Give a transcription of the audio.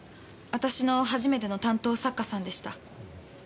私の初めての担当作家さんでした。